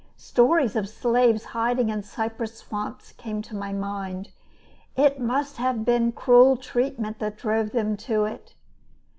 Stories of slaves hiding in cypress swamps came into my mind. It must have been cruel treatment that drove them to it!